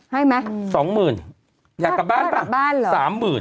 ให้มั้ยสองหมื่นอยากกลับบ้านป่ะสามหมื่น